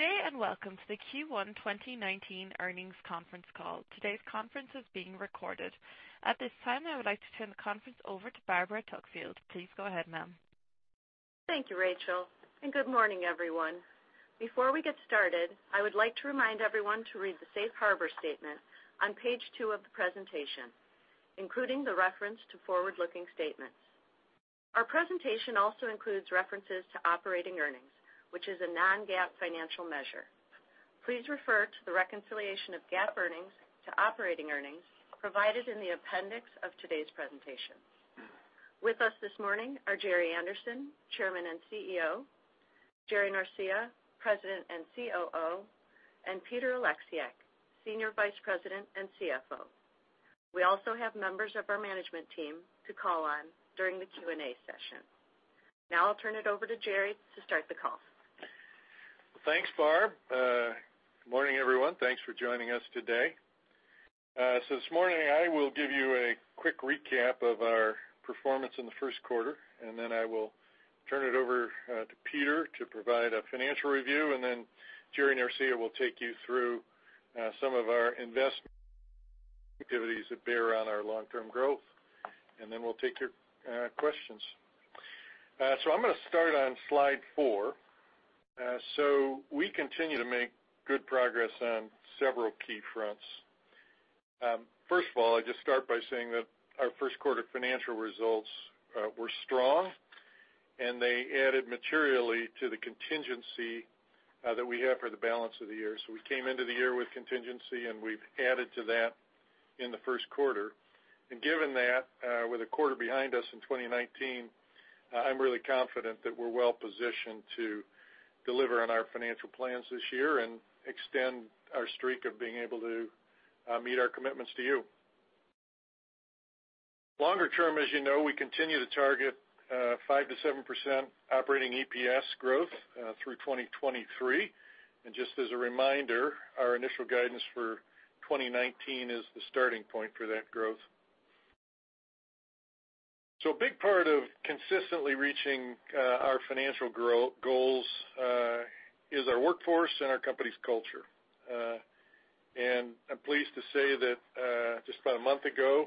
Good day, welcome to the Q1 2019 earnings conference call. Today's conference is being recorded. At this time, I would like to turn the conference over to Barbara Tuckfield. Please go ahead, ma'am. Thank you, Rachel, good morning, everyone. Before we get started, I would like to remind everyone to read the safe harbor statement on page two of the presentation, including the reference to forward-looking statements. Our presentation also includes references to operating earnings, which is a non-GAAP financial measure. Please refer to the reconciliation of GAAP earnings to operating earnings provided in the appendix of today's presentation. With us this morning are Gerry Anderson, Chairman and CEO, Jerry Norcia, President and COO, and Peter Oleksiak, Senior Vice President and CFO. We also have members of our management team to call on during the Q&A session. I'll turn it over to Gerry to start the call. Thanks, Barb. Good morning, everyone. Thanks for joining us today. This morning, I will give you a quick recap of our performance in the first quarter, I will turn it over to Peter to provide a financial review, Jerry Norcia will take you through some of our investment activities that bear on our long-term growth. We'll take your questions. I'm going to start on slide four. We continue to make good progress on several key fronts. First of all, I'll just start by saying that our first quarter financial results were strong, they added materially to the contingency that we have for the balance of the year. We came into the year with contingency, we've added to that in the first quarter. Given that, with a quarter behind us in 2019, I'm really confident that we're well-positioned to deliver on our financial plans this year and extend our streak of being able to meet our commitments to you. Longer term, as you know, we continue to target 5%-7% operating EPS growth through 2023. Just as a reminder, our initial guidance for 2019 is the starting point for that growth. A big part of consistently reaching our financial goals is our workforce and our company's culture. I'm pleased to say that just about a month ago,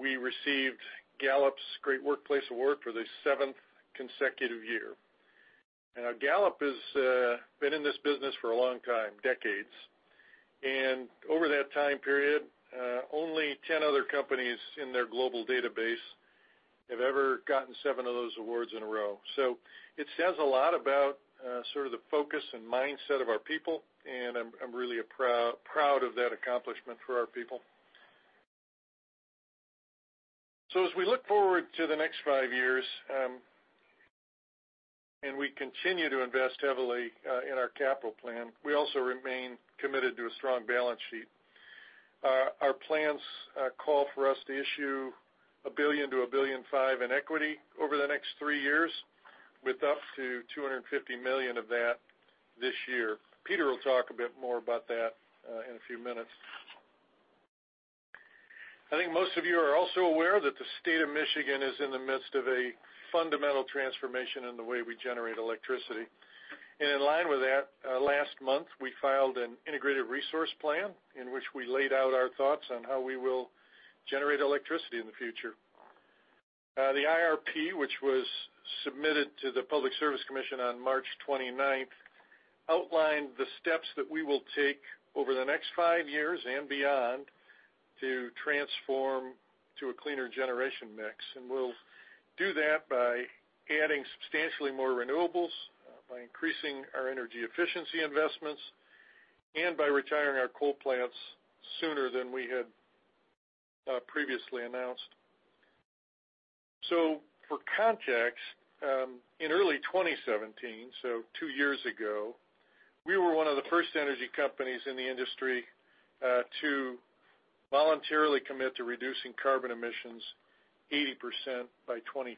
we received Gallup's Great Workplace Award for the seventh consecutive year. Gallup has been in this business for a long time, decades, over that time period, only 10 other companies in their global database have ever gotten seven of those awards in a row. It says a lot about sort of the focus and mindset of our people, and I'm really proud of that accomplishment for our people. As we look forward to the next five years, and we continue to invest heavily in our capital plan, we also remain committed to a strong balance sheet. Our plans call for us to issue $1 billion-$1.5 billion in equity over the next three years, with up to $250 million of that this year. Peter will talk a bit more about that in a few minutes. I think most of you are also aware that the state of Michigan is in the midst of a fundamental transformation in the way we generate electricity. In line with that, last month, we filed an integrated resource plan in which we laid out our thoughts on how we will generate electricity in the future. The IRP, which was submitted to the Public Service Commission on March 29th, outlined the steps that we will take over the next five years and beyond to transform to a cleaner generation mix. We'll do that by adding substantially more renewables, by increasing our energy efficiency investments, and by retiring our coal plants sooner than we had previously announced. For context, in early 2017, two years ago, we were one of the first energy companies in the industry to voluntarily commit to reducing carbon emissions 80% by 2050.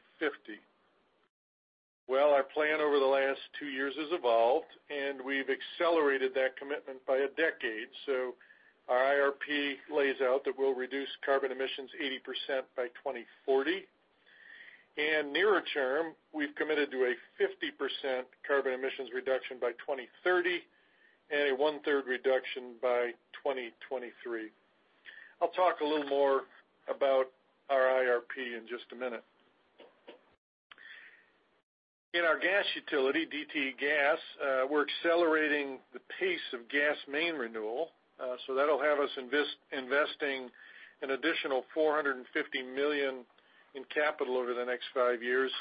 Well, our plan over the last two years has evolved, and we've accelerated that commitment by a decade. Our IRP lays out that we'll reduce carbon emissions 80% by 2040. Nearer term, we've committed to a 50% carbon emissions reduction by 2030 and a one-third reduction by 2023. I'll talk a little more about our IRP in just a minute. In our gas utility, DTE Gas, we're accelerating the pace of gas main renewal, that'll have us investing an additional $450 million in capital over the next five years.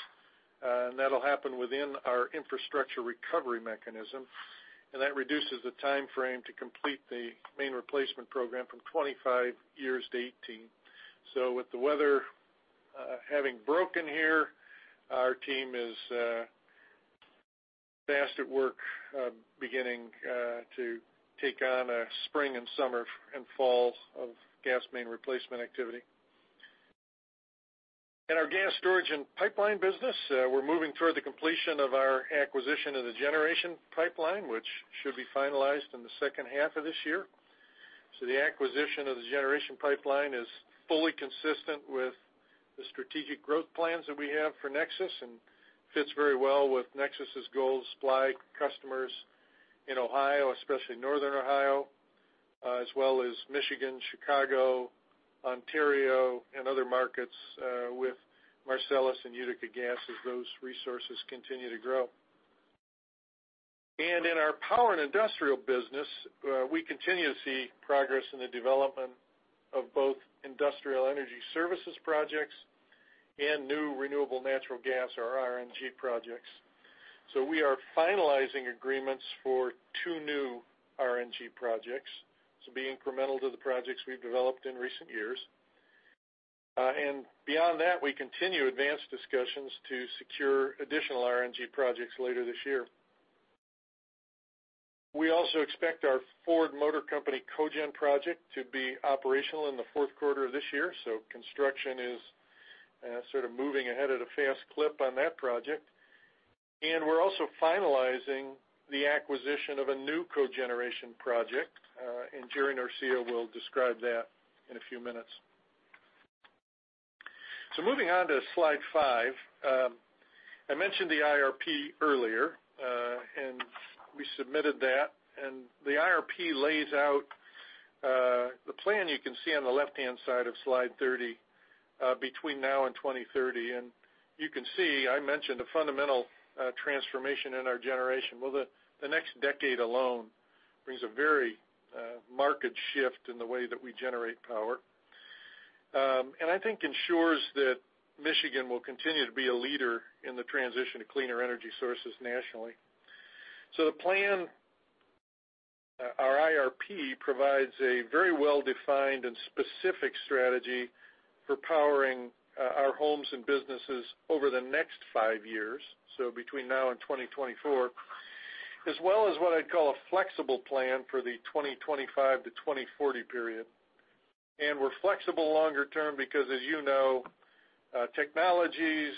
That'll happen within our infrastructure recovery mechanism, and that reduces the timeframe to complete the main replacement program from 25 years to 18. With the weather having broken here, our team is fast at work, beginning to take on a spring and summer and fall of gas main replacement activity. In our gas storage and pipeline business, we're moving toward the completion of our acquisition of the Generation Pipeline, which should be finalized in the second half of this year. The acquisition of the Generation Pipeline is fully consistent with the strategic growth plans that we have for NEXUS, and fits very well with NEXUS's goal to supply customers in Ohio, especially northern Ohio, as well as Michigan, Chicago, Ontario, and other markets, with Marcellus and Utica gas as those resources continue to grow. In our Power and Industrial business, we continue to see progress in the development of both industrial energy services projects and new renewable natural gas, or RNG projects. We are finalizing agreements for two new RNG projects, this will be incremental to the projects we've developed in recent years. Beyond that, we continue advanced discussions to secure additional RNG projects later this year. We also expect our Ford Motor Company cogen project to be operational in the fourth quarter of this year, construction is sort of moving ahead at a fast clip on that project. We are also finalizing the acquisition of a new cogeneration project, Jerry Norcia will describe that in a few minutes. Moving on to slide five. I mentioned the IRP earlier, we submitted that. The IRP lays out the plan you can see on the left-hand side of slide 30 between now and 2030. You can see, I mentioned a fundamental transformation in our generation. The next decade alone brings a very marked shift in the way that we generate power. I think ensures that Michigan will continue to be a leader in the transition to cleaner energy sources nationally. The plan, our IRP, provides a very well-defined and specific strategy for powering our homes and businesses over the next five years, so between now and 2024, as well as what I would call a flexible plan for the 2025 to 2040 period. We are flexible longer term because as you know, technologies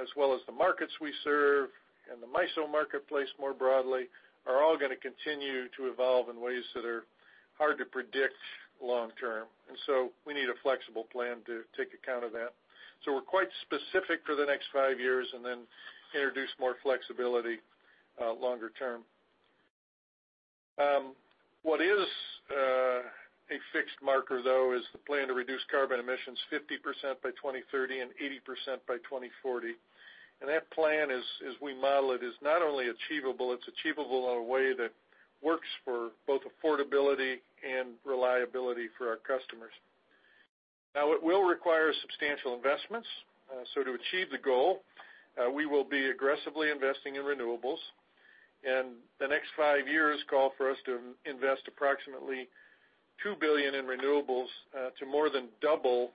as well as the markets we serve and the MISO marketplace more broadly, are all going to continue to evolve in ways that are hard to predict long term. We need a flexible plan to take account of that. We are quite specific for the next five years, then introduce more flexibility longer term. What is a fixed marker, though, is the plan to reduce carbon emissions 50% by 2030 and 80% by 2040. That plan, as we model it, is not only achievable, it is achievable in a way that works for both affordability and reliability for our customers. It will require substantial investments. To achieve the goal, we will be aggressively investing in renewables, the next five years call for us to invest approximately $2 billion in renewables, to more than double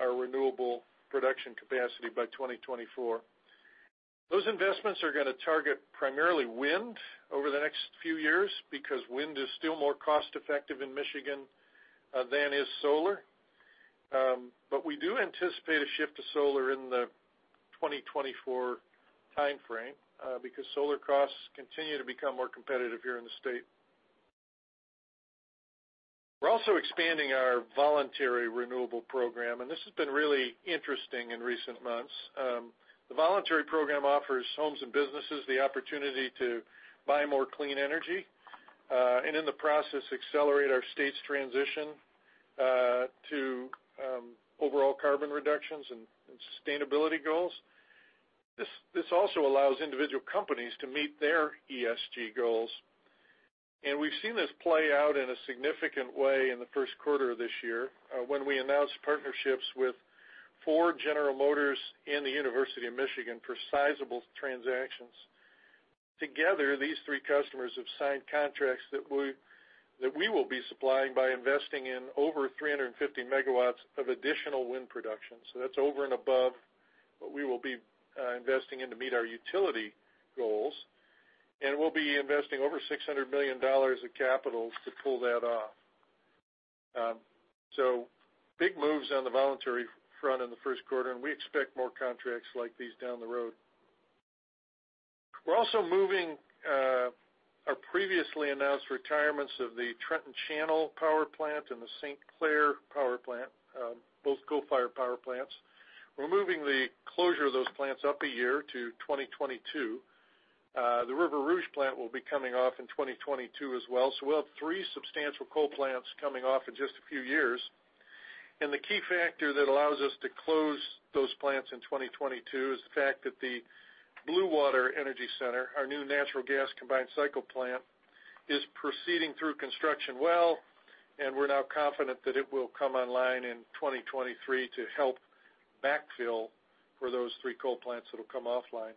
our renewable production capacity by 2024. Those investments are going to target primarily wind over the next few years, because wind is still more cost-effective in Michigan than is solar. We do anticipate a shift to solar in the 2024 timeframe, because solar costs continue to become more competitive here in the state. We are also expanding our voluntary renewable program, this has been really interesting in recent months. The voluntary program offers homes and businesses the opportunity to buy more clean energy, in the process, accelerate our state's transition to overall carbon reductions and sustainability goals. This also allows individual companies to meet their ESG goals. We have seen this play out in a significant way in the first quarter of this year, when we announced partnerships with Ford, General Motors, and the University of Michigan for sizable transactions. Together, these three customers have signed contracts that we will be supplying by investing in over 350 MW of additional wind production. That is over and above what we will be investing in to meet our utility goals. We will be investing over $600 million of capital to pull that off. Big moves on the voluntary front in the first quarter, we expect more contracts like these down the road. We're also moving our previously announced retirements of the Trenton Channel Power Plant and the St. Clair Power Plant, both coal-fired power plants. We're moving the closure of those plants up a year to 2022. The River Rouge plant will be coming off in 2022 as well. We'll have three substantial coal plants coming off in just a few years. The key factor that allows us to close those plants in 2022 is the fact that the Blue Water Energy Center, our new natural gas combined cycle plant, is proceeding through construction well, and we're now confident that it will come online in 2023 to help backfill for those three coal plants that'll come offline.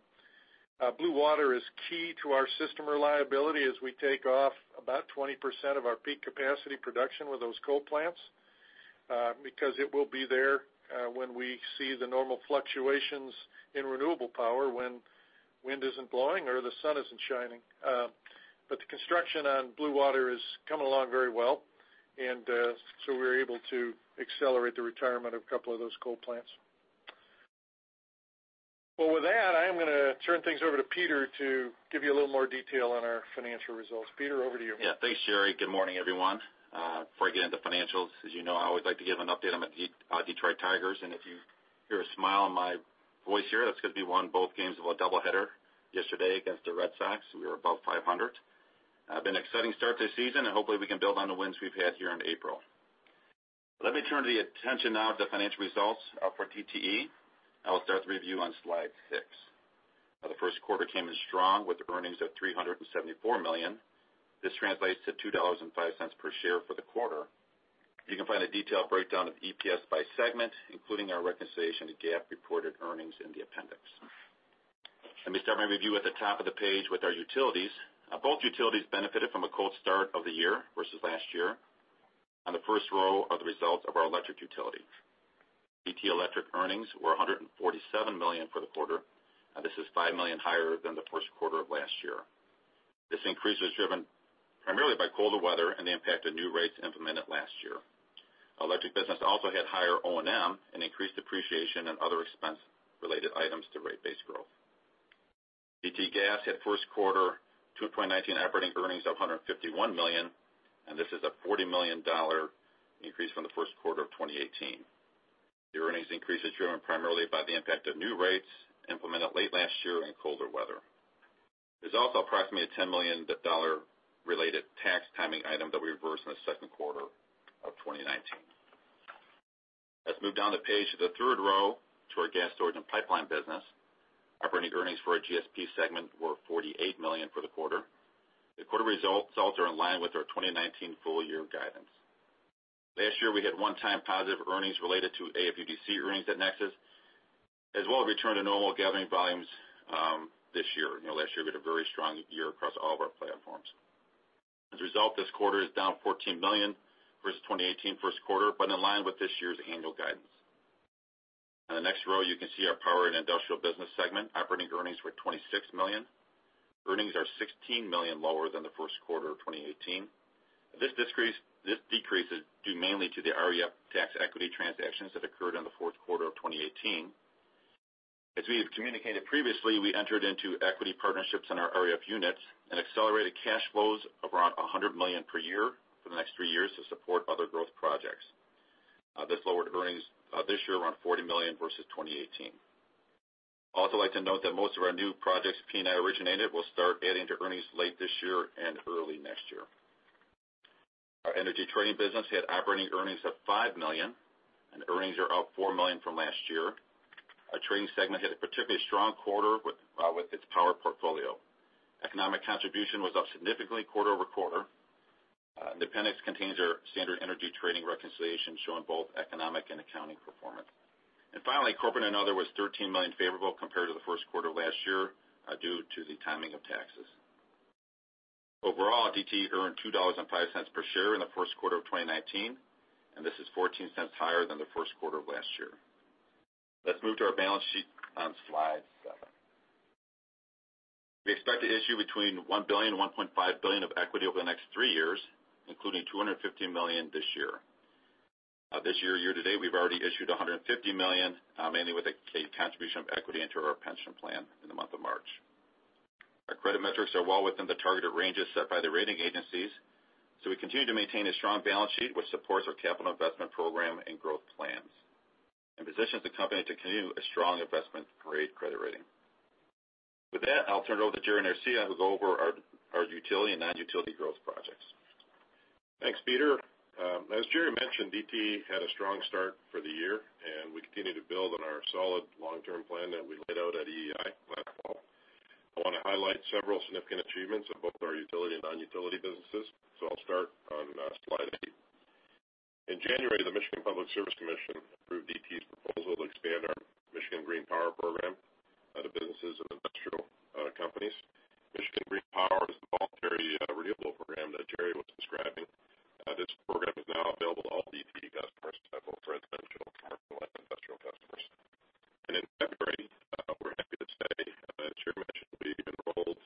Blue Water is key to our system reliability as we take off about 20% of our peak capacity production with those coal plants, because it will be there when we see the normal fluctuations in renewable power when wind isn't blowing or the sun isn't shining. The construction on Blue Water is coming along very well. We're able to accelerate the retirement of a couple of those coal plants. Well, with that, I am going to turn things over to Peter to give you a little more detail on our financial results. Peter, over to you. Yeah. Thanks, Jerry. Good morning, everyone. Before I get into financials, as you know, I always like to give an update on the Detroit Tigers. If you hear a smile in my voice here, that's because we won both games of a double header yesterday against the Red Sox. We are above 500. Been an exciting start this season, and hopefully we can build on the wins we've had here in April. Let me turn the attention now to the financial results for DTE, and I'll start the review on slide six. The first quarter came in strong with earnings of $374 million. This translates to $2.05 per share for the quarter. You can find a detailed breakdown of EPS by segment, including our reconciliation to GAAP reported earnings in the appendix. Let me start my review at the top of the page with our utilities. Both utilities benefited from a cold start of the year versus last year. On the first row are the results of our electric utility. DTE Electric earnings were $147 million for the quarter. This is $5 million higher than the first quarter of last year. This increase was driven primarily by colder weather and the impact of new rates implemented last year. Our electric business also had higher O&M and increased depreciation and other expense-related items to rate base growth. DTE Gas had first quarter 2019 operating earnings of $151 million, and this is a $40 million increase from the first quarter of 2018. The earnings increase is driven primarily by the impact of new rates implemented late last year and colder weather. There's also approximately a $10 million-related tax timing item that we reversed in the second quarter of 2019. Let's move down the page to the third row to our gas storage and pipeline business. Operating earnings for our GSP segment were $48 million for the quarter. The quarter results are in line with our 2019 full-year guidance. Last year, we had one-time positive earnings related to AFUDC earnings at NEXUS, as well as return to normal gathering volumes this year. Last year, we had a very strong year across all of our platforms. As a result, this quarter is down $14 million versus 2018 first quarter, but in line with this year's annual guidance. On the next row, you can see our Power & Industrial business segment. Operating earnings were $26 million. Earnings are $16 million lower than the first quarter of 2018. This decrease is due mainly to the REF tax equity transactions that occurred in the fourth quarter of 2018. As we have communicated previously, we entered into equity partnerships in our REF units and accelerated cash flows of around $100 million per year for the next three years to support other growth projects. This lowered earnings this year around $40 million versus 2018. Like to note that most of our new projects P&I originated will start adding to earnings late this year and early next year. Our energy trading business had operating earnings of $5 million, and earnings are up $4 million from last year. Our trading segment had a particularly strong quarter with its power portfolio. Economic contribution was up significantly quarter-over-quarter. The appendix contains our standard energy trading reconciliation, showing both economic and accounting performance. Finally, corporate and other was $13 million favorable compared to the first quarter last year due to the timing of taxes. Overall, DTE earned $2.05 per share in the first quarter of 2019, and this is $0.14 higher than the first quarter of last year. Let's move to our balance sheet on slide seven. We expect to issue between $1 billion and $1.5 billion of equity over the next three years, including $215 million this year. This year-to-date, we've already issued $150 million, mainly with a contribution of equity into our pension plan in the month of March. Our credit metrics are well within the targeted ranges set by the rating agencies, we continue to maintain a strong balance sheet, which supports our capital investment program and growth plans and positions the company to continue a strong investment-grade credit rating. With that, I'll turn it over to Jerry Norcia, who will go over our utility and non-utility growth projects. Thanks, Peter. As Gerry mentioned, DTE had a strong start for the year, and we continue to build on our solid long-term plan that we laid out at EEI last fall. I want to highlight several significant achievements of both our utility and non-utility businesses, so I'll start on slide eight. In January, the Michigan Public Service Commission approved DTE's proposal to expand our MIGreenPower program to businesses and industrial companies. MIGreenPower is the voluntary renewable program that Gerry was describing. This program is now available to all DTE customers, both residential, commercial, and industrial customers. In February, we're happy to say, as Gerry mentioned, we enrolled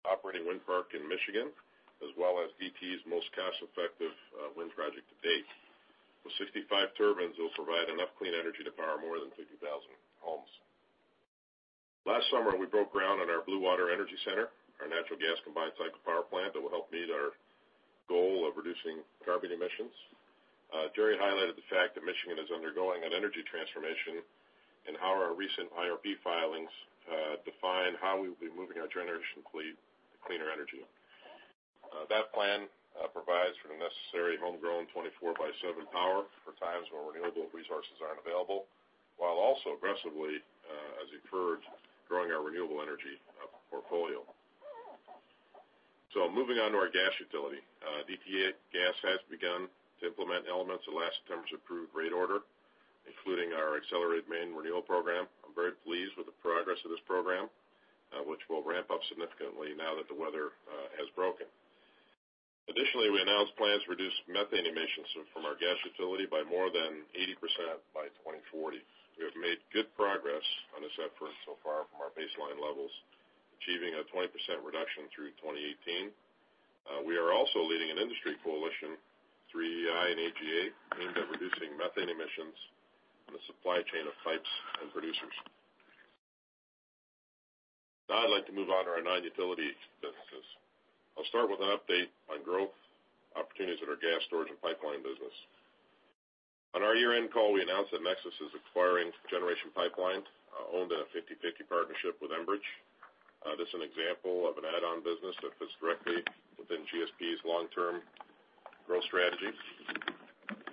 the full four operating wind park in Michigan, as well as DTE's most cost-effective wind project to date. The 65 turbines will provide enough clean energy to power more than 50,000 homes. Last summer, we broke ground on our Blue Water Energy Center, our natural gas combined cycle power plant that will help meet our goal of reducing carbon emissions. Gerry highlighted the fact that Michigan is undergoing an energy transformation and how our recent IRP filings define how we will be moving our generation to cleaner energy. That plan provides for the necessary homegrown 24/7 power for times when renewable resources aren't available, while also aggressively, as encouraged, growing our renewable energy portfolio. Moving on to our gas utility. DTE Gas has begun to implement elements of last September's approved rate order, including our accelerated main renewal program. I'm very pleased with the progress of this program, which will ramp up significantly now that the weather has broken. Additionally, we announced plans to reduce methane emissions from our gas utility by more than 80% by 2040. We have made good progress on this effort so far from our baseline levels, achieving a 20% reduction through 2018. We are also leading an industry coalition through EEI and AGA, aimed at reducing methane emissions in the supply chain of pipes and producers. I'd like to move on to our non-utility businesses. I'll start with an update on growth opportunities at our gas storage and pipeline business. On our year-end call, we announced that Nexus is acquiring Generation Pipeline, owned in a 50/50 partnership with Enbridge. This is an example of an add-on business that fits directly within GS&P's long-term growth strategies.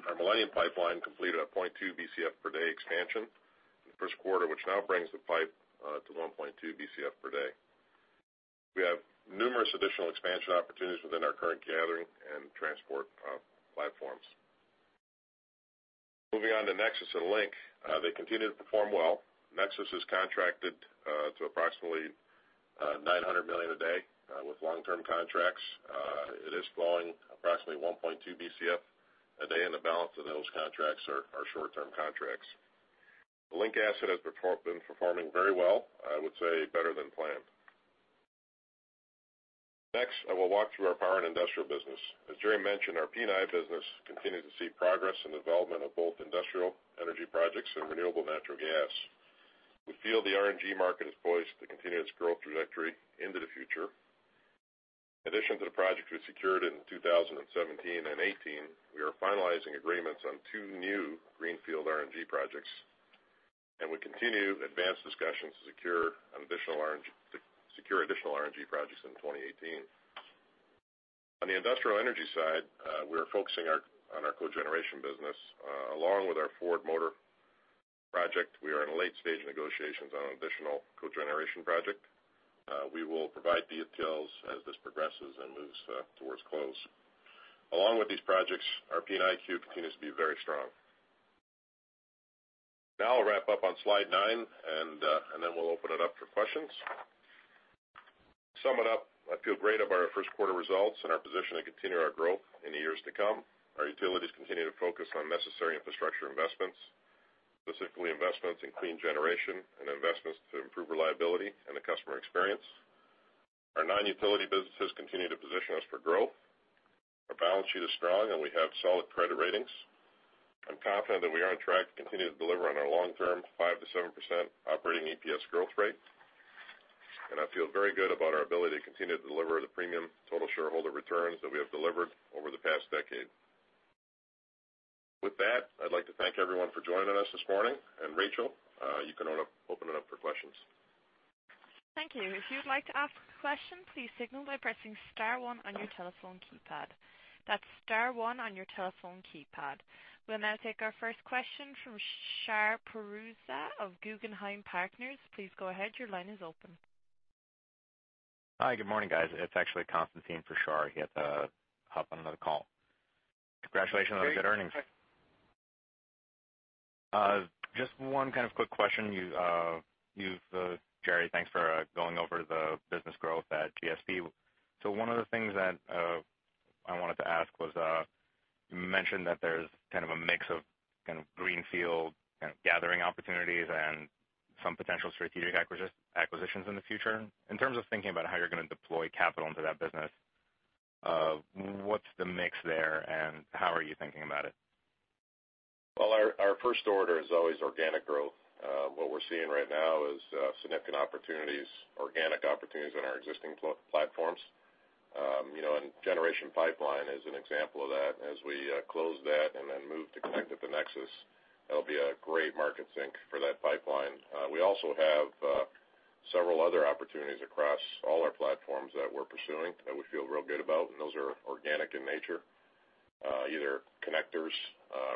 Our Millennium Pipeline completed a 0.2 BCF per day expansion in the first quarter, which now brings the pipe to 1.2 BCF per day. We have numerous additional expansion opportunities within our current gathering and transport platforms. Moving on to Nexus and Link. They continue to perform well. Nexus is contracted to approximately 900 million a day with long-term contracts. It is flowing approximately 1.2 BCF a day, and the balance of those contracts are short-term contracts. The Link asset has been performing very well, I would say better than planned. I will walk through our power and industrial business. As Gerry mentioned, our P&I business continued to see progress in the development of both industrial energy projects and renewable natural gas. We feel the RNG market is poised to continue its growth trajectory into the future. In addition to the project we secured in 2017 and 2018, we are finalizing agreements on two new greenfield RNG projects, and we continue advanced discussions to secure additional RNG projects in 2018. On the industrial energy side, we are focusing on our cogeneration business. Along with our Ford Motor project, we are in late-stage negotiations on an additional cogeneration project. We will provide details as this progresses and moves towards close. Along with these projects, our P&I queue continues to be very strong. I'll wrap up on slide nine, and then we'll open it up for questions. To sum it up, I feel great about our first quarter results and our position to continue our growth in the years to come. Our utilities continue to focus on necessary infrastructure investments, specifically investments in clean generation and investments to improve reliability and the customer experience. Our non-utility businesses continue to position us for growth. Our balance sheet is strong, and we have solid credit ratings. I'm confident that we are on track to continue to deliver on our long-term 5%-7% operating EPS growth rate. I feel very good about our ability to continue to deliver the premium total shareholder returns that we have delivered over the past decade. With that, I'd like to thank everyone for joining us this morning. Rachel, you can open it up for questions. Thank you. If you would like to ask a question, please signal by pressing star one on your telephone keypad. That's star one on your telephone keypad. We'll now take our first question from Shahriar Pourreza of Guggenheim Partners. Please go ahead. Your line is open. Hi, good morning, guys. It's actually Constantine for Shar. He had to hop on another call. Congratulations on the good earnings. Great. Just one kind of quick question. Gerry, thanks for going over the business growth at GSP. One of the things that I wanted to ask was, you mentioned that there's kind of a mix of kind of greenfield kind of gathering opportunities and some potential strategic acquisitions in the future. In terms of thinking about how you're going to deploy capital into that business, what's the mix there, and how are you thinking about it? Well, our first order is always organic growth. What we're seeing right now is significant opportunities, organic opportunities in our existing platforms. Generation Pipeline is an example of that. As we close that and then move to connect with the NEXUS Gas Transmission, that'll be a great market sync for that pipeline. We also have several other opportunities across all our platforms that we're pursuing that we feel real good about, and those are organic in nature, either connectors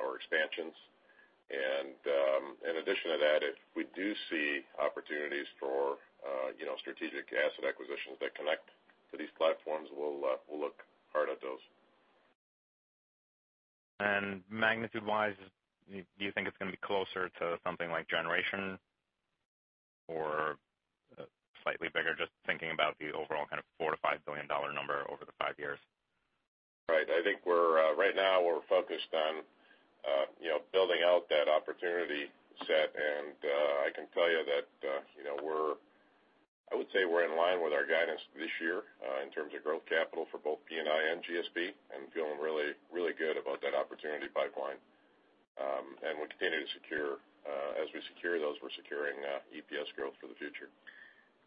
or expansions. In addition to that, if we do see opportunities for strategic asset acquisitions that connect to these platforms, we'll look hard at those. Magnitude-wise, do you think it's going to be closer to something like Generation Pipeline or slightly bigger? Just thinking about the overall kind of $4 billion-$5 billion number over the five years. Right. I think right now we're focused on building out that opportunity set, and I can tell you that I would say we're in line with our guidance this year in terms of growth capital for both P&I and GSP, and feeling really good about that opportunity pipeline. We continue to secure. As we secure those, we're securing EPS growth for the future.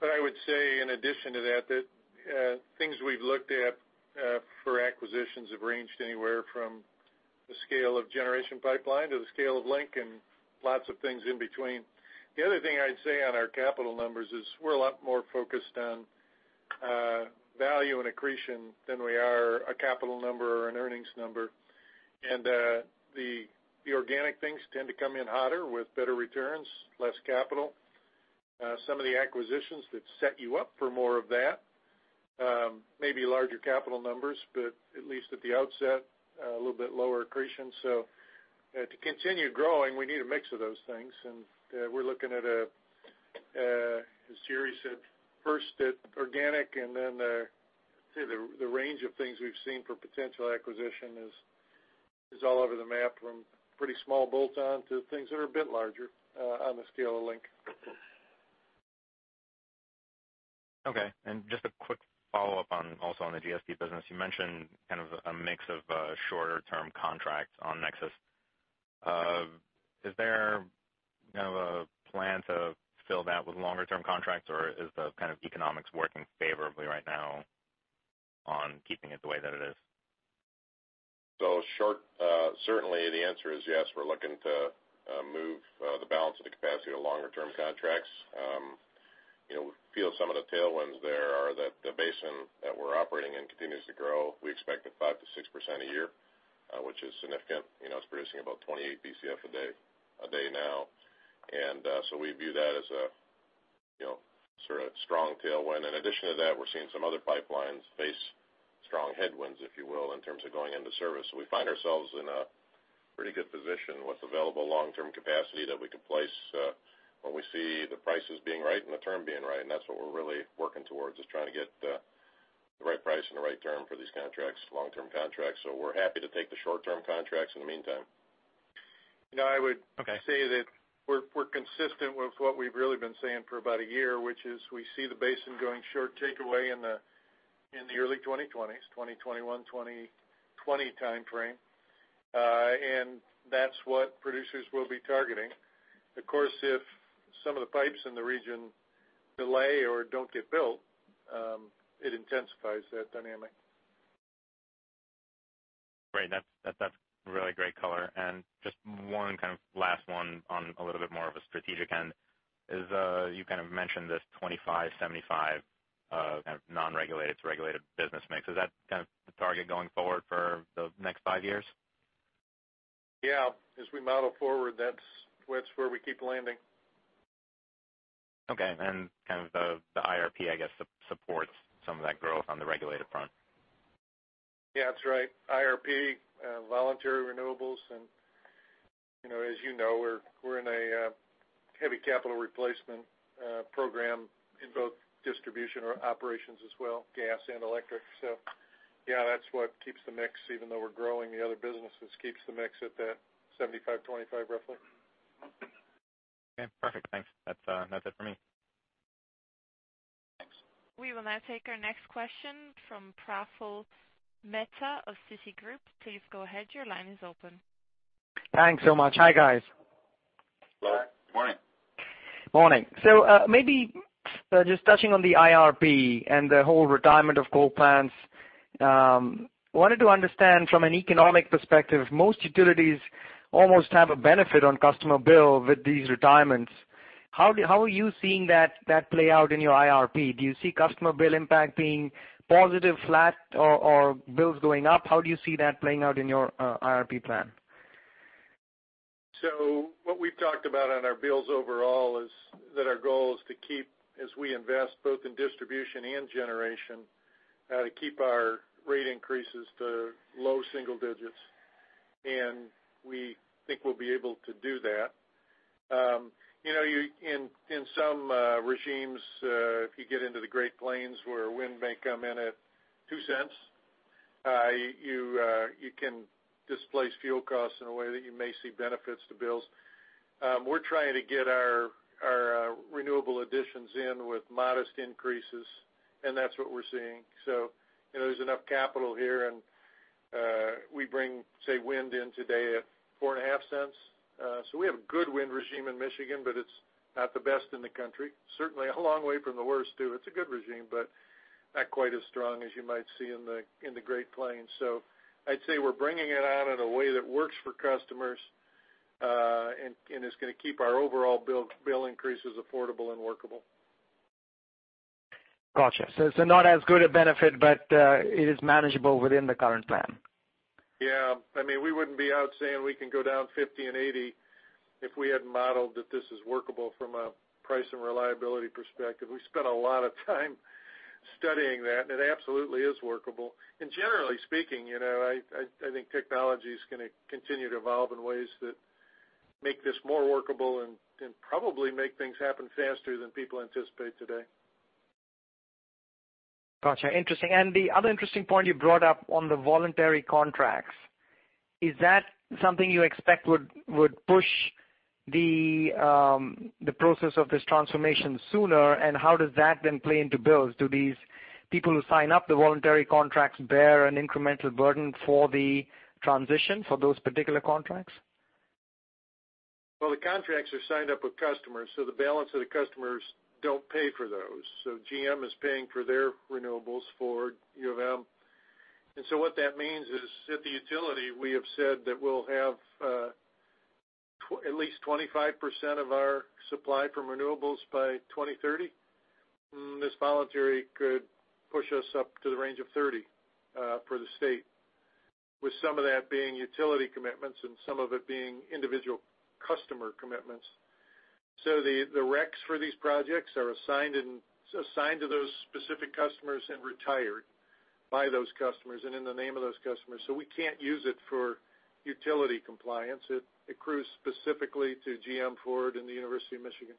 I would say in addition to that things we've looked at for acquisitions have ranged anywhere from the scale of generation pipeline to the scale of Link and lots of things in between. The other thing I'd say on our capital numbers is we're a lot more focused on value and accretion than we are a capital number or an earnings number. The organic things tend to come in hotter with better returns, less capital. Some of the acquisitions that set you up for more of that may be larger capital numbers, but at least at the outset, a little bit lower accretion. To continue growing, we need a mix of those things, and we're looking at, as Jerry said, first at organic and then the range of things we've seen for potential acquisition is all over the map, from pretty small bolt-ons to things that are a bit larger on the scale of Link. Okay. Just a quick follow-up also on the GSP business. You mentioned kind of a mix of shorter-term contracts on Nexus. Is there a plan to fill that with longer-term contracts, or is the kind of economics working favorably right now on keeping it the way that it is? Certainly the answer is yes, we're looking to move the balance of the capacity to longer term contracts. We feel some of the tailwinds there are that the basin that we're operating in continues to grow. We expect it 5%-6% a year, which is significant. It's producing about 28 BCF a day now, we view that as a sort of strong tailwind. In addition to that, we're seeing some other pipelines face strong headwinds, if you will, in terms of going into service. We find ourselves in a pretty good position with available long-term capacity that we can place when we see the prices being right and the term being right. That's what we're really working towards, is trying to get the right price and the right term for these contracts, long-term contracts. We're happy to take the short-term contracts in the meantime. I would say that we're consistent with what we've really been saying for about a year, which is we see the basin going short takeaway in the early 2020s, 2021, 2020 timeframe. That's what producers will be targeting. Of course, if some of the pipes in the region delay or don't get built, it intensifies that dynamic. Great. That's really great color. Just one kind of last one on a little bit more of a strategic end is, you kind of mentioned this 25/75 kind of non-regulated to regulated business mix. Is that kind of the target going forward for the next five years? Yeah. As we model forward, that's where we keep landing. Okay, kind of the IRP, I guess, supports some of that growth on the regulated front. Yeah, that's right. IRP, voluntary renewables, as you know, we're in a heavy capital replacement program in both distribution or operations as well, gas and electric. Yeah, that's what keeps the mix, even though we're growing the other businesses, keeps the mix at that 75/25 roughly. Okay, perfect. Thanks. That's it for me. Thanks. We will now take our next question from Praful Mehta of Citigroup. Please go ahead. Your line is open. Thanks so much. Hi, guys. Morning. Morning. Maybe just touching on the IRP and the whole retirement of coal plants. Wanted to understand from an economic perspective, most utilities almost have a benefit on customer bill with these retirements. How are you seeing that play out in your IRP? Do you see customer bill impact being positive, flat, or bills going up? How do you see that playing out in your IRP plan? What we've talked about on our bills overall is that our goal is to keep, as we invest both in distribution and generation, to keep our rate increases to low single digits, and we think we'll be able to do that. In some regimes, if you get into the Great Plains where wind may come in at $0.02, you can displace fuel costs in a way that you may see benefits to bills. We're trying to get our renewable additions in with modest increases, and that's what we're seeing. There's enough capital here, and we bring, say, wind in today at $0.045. We have a good wind regime in Michigan, but it's not the best in the country. Certainly a long way from the worst, too. It's a good regime, but not quite as strong as you might see in the Great Plains. I'd say we're bringing it on in a way that works for customers, and it's going to keep our overall bill increases affordable and workable. Got you. It's not as good a benefit, but it is manageable within the current plan. Yeah. We wouldn't be out saying we can go down 50 and 80 if we hadn't modeled that this is workable from a price and reliability perspective. We spent a lot of time studying that, it absolutely is workable. Generally speaking, I think technology's going to continue to evolve in ways that make this more workable and probably make things happen faster than people anticipate today. Got you. Interesting. The other interesting point you brought up on the voluntary contracts, is that something you expect would push the process of this transformation sooner? How does that then play into bills? Do these people who sign up the voluntary contracts bear an incremental burden for the transition for those particular contracts? Well, the contracts are signed up with customers, the balance of the customers don't pay for those. GM is paying for their renewables, Ford, U of M. What that means is, at the utility, we have said that we'll have at least 25% of our supply from renewables by 2030. This voluntary could push us up to the range of 30% for the state, with some of that being utility commitments and some of it being individual customer commitments. The RECs for these projects are assigned to those specific customers and retired by those customers and in the name of those customers. We can't use it for utility compliance. It accrues specifically to GM, Ford, and the University of Michigan.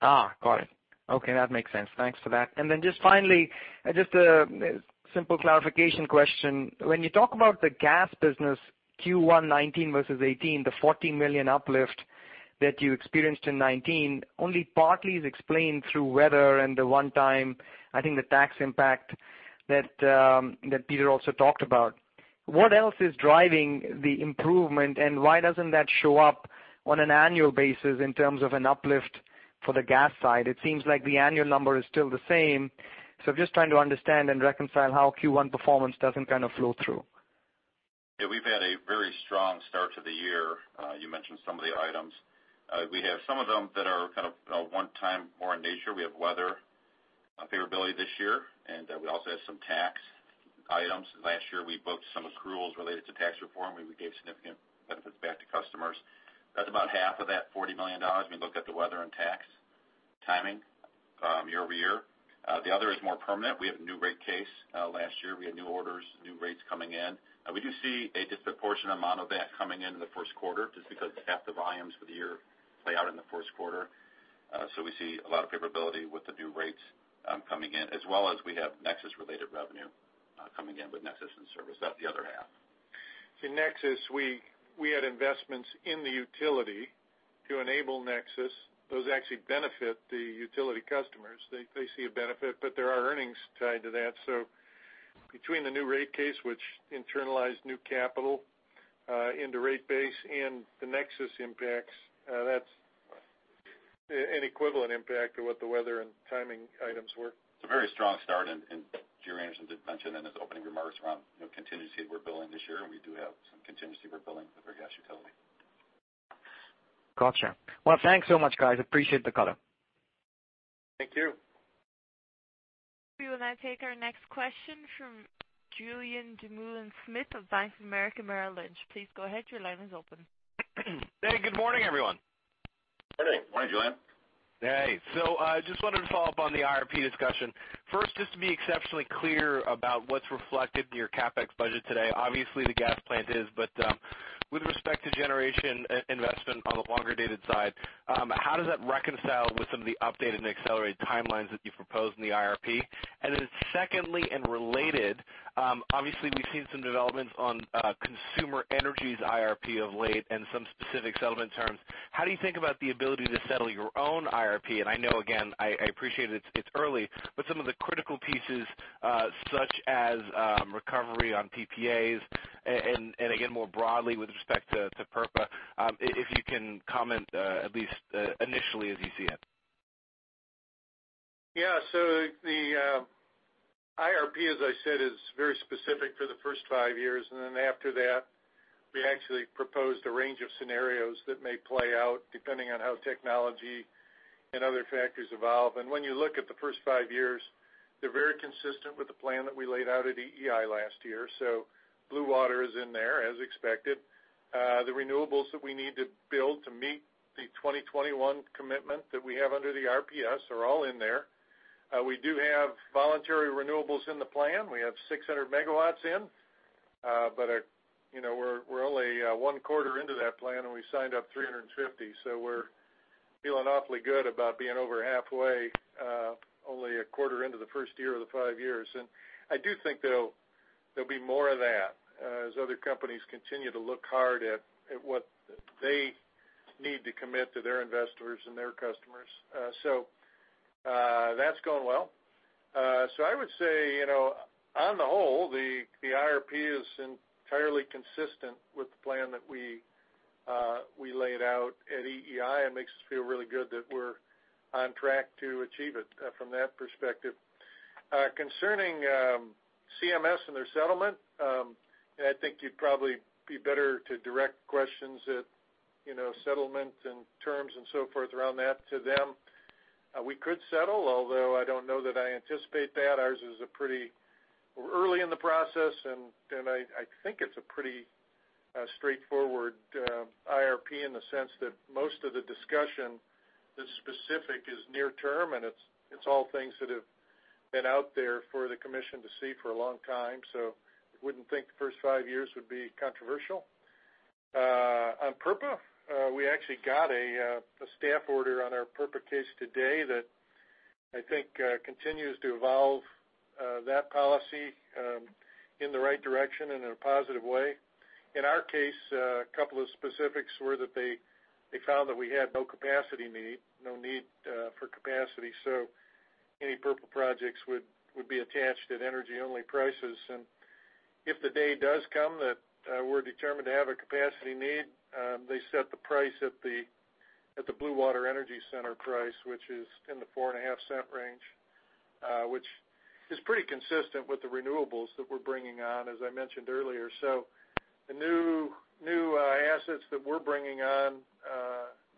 Got it. Okay. That makes sense. Thanks for that. Just finally, just a simple clarification question. When you talk about the gas business, Q1 2019 versus 2018, the $14 million uplift that you experienced in 2019 only partly is explained through weather and the one time, I think, the tax impact that Peter also talked about. What else is driving the improvement, and why doesn't that show up on an annual basis in terms of an uplift for the gas side? It seems like the annual number is still the same. Just trying to understand and reconcile how Q1 performance doesn't kind of flow through. We've had a very strong start to the year. You mentioned some of the items. We have some of them that are kind of one time more in nature. We have weather favorability this year, and we also have some tax items. Last year, we booked some accruals related to tax reform where we gave significant benefits back to customers. That's about half of that $40 million when you look at the weather and tax timing year-over-year. The other is more permanent. We have a new rate case. Last year, we had new orders, new rates coming in. We do see a disproportionate amount of that coming in in the first quarter, just because half the volumes for the year play out in the first quarter. We see a lot of favorability with the new rates coming in, as well as we have Nexus-related revenue coming in with Nexus and service. That's the other half. Nexus, we had investments in the utility to enable Nexus. Those actually benefit the utility customers. They see a benefit, but there are earnings tied to that. Between the new rate case, which internalized new capital into rate base and the Nexus impacts, that's an equivalent impact to what the weather and timing items were. It's a very strong start. Gerry Anderson did mention in his opening remarks around contingency we're billing this year. We do have some contingency we're billing with our gas utility. Gotcha. Thanks so much, guys. Appreciate the color. Thank you. We will now take our next question from Julien Dumoulin-Smith of Bank of America Merrill Lynch. Please go ahead. Your line is open. Hey, good morning, everyone. Hey. Morning, Julien. Just wanted to follow up on the IRP discussion. First, just to be exceptionally clear about what's reflected in your CapEx budget today. Obviously, the gas plant is, but with respect to generation investment on the longer-dated side, how does that reconcile with some of the updated and accelerated timelines that you've proposed in the IRP? Secondly, and related, obviously, we've seen some developments on Consumers Energy's IRP of late and some specific settlement terms. How do you think about the ability to settle your own IRP? I know, again, I appreciate it's early, but some of the critical pieces such as recovery on PPAs and again, more broadly with respect to PURPA, if you can comment at least initially as you see it. Yeah. The IRP, as I said, is very specific for the first five years. After that, we actually proposed a range of scenarios that may play out depending on how technology and other factors evolve. When you look at the first five years, they're very consistent with the plan that we laid out at EEI last year. Blue Water is in there as expected. The renewables that we need to build to meet the 2021 commitment that we have under the RPS are all in there. We do have voluntary renewables in the plan. We have 600 MW in, but we're only one quarter into that plan, and we signed up 350. We're feeling awfully good about being over halfway only a quarter into the first year of the five years. I do think there'll be more of that as other companies continue to look hard at what they need to commit to their investors and their customers. That's going well. I would say, on the whole, the IRP is entirely consistent with the plan that we laid out at EEI and makes us feel really good that we're on track to achieve it from that perspective. Concerning CMS and their settlement, I think you'd probably be better to direct questions at settlement and terms and so forth around that to them. We could settle, although I don't know that I anticipate that. Ours is pretty early in the process. I think it's a pretty straightforward IRP in the sense that most of the discussion that's specific is near term, and it's all things that have been out there for the commission to see for a long time. I wouldn't think the first five years would be controversial. On PURPA, we actually got a staff order on our PURPA case today that I think continues to evolve that policy in the right direction in a positive way. In our case, a couple of specifics were that they found that we had no need for capacity. Any PURPA projects would be attached at energy-only prices. If the day does come that we're determined to have a capacity need, they set the price at the Blue Water Energy Center price, which is in the $0.045 range, which is pretty consistent with the renewables that we're bringing on, as I mentioned earlier. The new assets that we're bringing on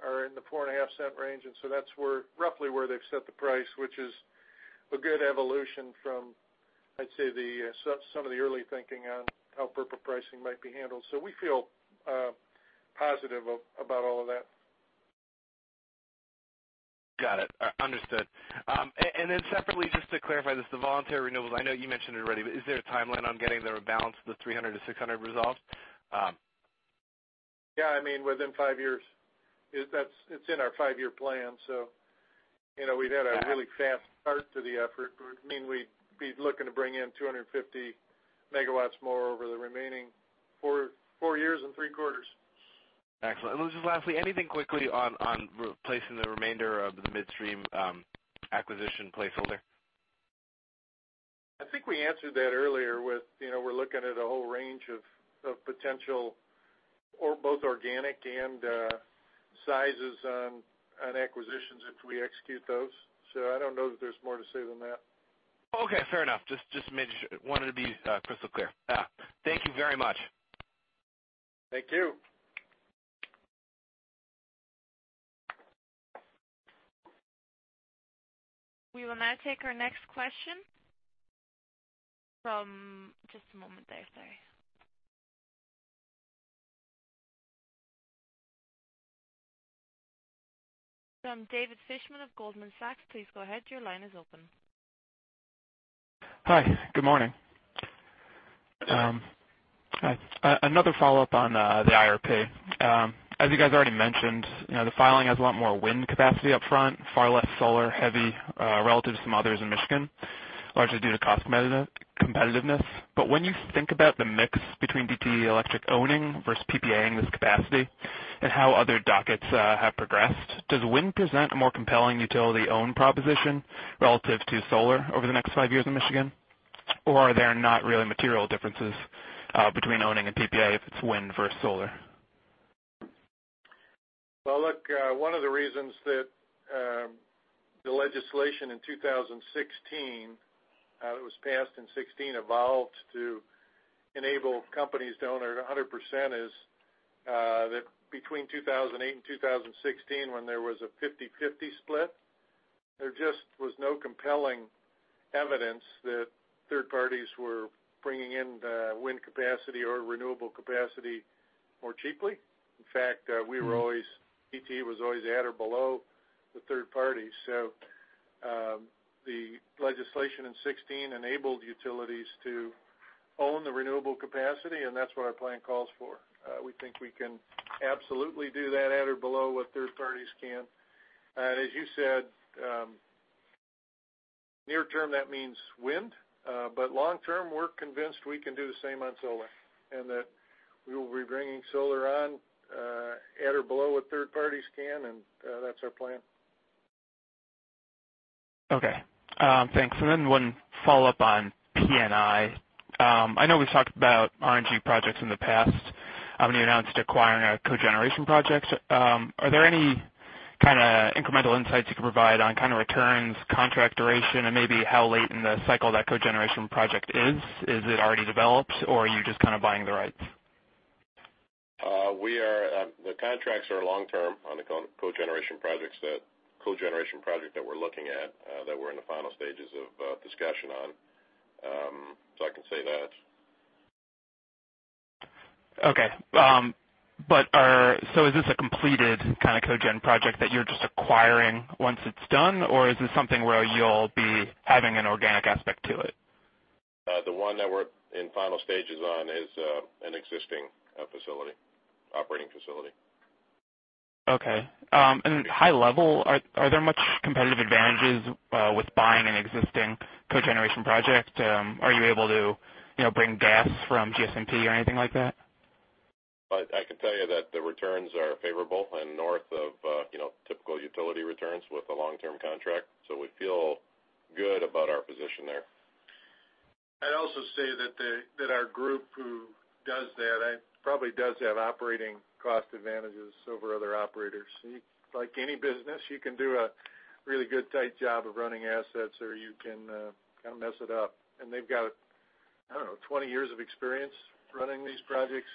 are in the $0.045 range. That's roughly where they've set the price, which is a good evolution from, I'd say, some of the early thinking on how PURPA pricing might be handled. We feel positive about all of that. Got it. Understood. Separately, just to clarify this, the voluntary renewables, I know you mentioned it already, but is there a timeline on getting the rebalance of the 300-600 resolved? Yeah, within five years. It's in our five-year plan. We've had a really fast start to the effort, but it would mean we'd be looking to bring in 250 megawatts more over the remaining four years and three quarters. Excellent. Just lastly, anything quickly on replacing the remainder of the midstream acquisition placeholder? I think we answered that earlier with, we're looking at a whole range of potential, both organic and sizes on acquisitions if we execute those. I don't know that there's more to say than that. Okay, fair enough. Just made sure. Wanted to be crystal clear. Thank you very much. Thank you. We will now take our next question. Just a moment there. Sorry. From David Fishman of Goldman Sachs. Please go ahead. Your line is open. Hi. Good morning. Good day. Hi. Another follow-up on the IRP. As you guys already mentioned, the filing has a lot more wind capacity up front, far less solar-heavy, relative to some others in Michigan, largely due to cost competitiveness. When you think about the mix between DTE Electric owning versus PPA-ing this capacity and how other dockets have progressed, does wind present a more compelling utility own proposition relative to solar over the next five years in Michigan? Are there not really material differences between owning a PPA if it's wind versus solar? Well, look, one of the reasons that the legislation in 2016, that was passed in 2016, evolved to enable companies to own it 100% is that between 2008 and 2016, when there was a 50/50 split, there just was no compelling evidence that third parties were bringing in the wind capacity or renewable capacity more cheaply. In fact, DTE was always at or below the third party. The legislation in 2016 enabled utilities to own the renewable capacity, and that's what our plan calls for. We think we can absolutely do that at or below what third parties can. As you said, near term, that means wind. Long term, we're convinced we can do the same on solar, and that we will be bringing solar on at or below what third parties can, and that's our plan. Okay. Thanks. One follow-up on P&I. I know we've talked about RNG projects in the past. When you announced acquiring a cogeneration project, are there any kind of incremental insights you can provide on kind of returns, contract duration, and maybe how late in the cycle that cogeneration project is? Is it already developed or are you just kind of buying the rights? The contracts are long-term on the cogeneration project that we're looking at, that we're in the final stages of discussion on. I can say that. Okay. Is this a completed kind of cogen project that you're just acquiring once it's done, or is this something where you'll be having an organic aspect to it? The one that we're in final stages on is an existing operating facility. Okay. High level, are there much competitive advantages with buying an existing cogeneration project? Are you able to bring gas from GS&P or anything like that? I can tell you that the returns are favorable and north of typical utility returns with a long-term contract. We feel good about our position there. I'd also say that our group who does that probably does have operating cost advantages over other operators. Like any business, you can do a really good tight job of running assets or you can kind of mess it up. They've got, I don't know, 20 years of experience running these projects,